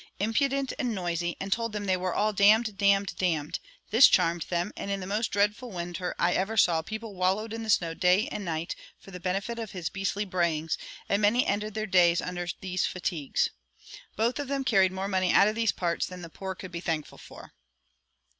impudent and noisy, and told them they were all damn'd, damn'd, damn'd; this charmed them, and in the most dreadful winter I ever saw people wallowed in the snow night and day for the benefit of his beastly brayings, and many ended their days under these fatigues. Both of them carried more money out of these parts than the poor could be thankful for."